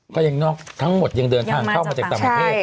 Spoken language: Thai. ก็ยังเนอะทั้งหมดยังเดินทางเข้ามาจากตำแพทย์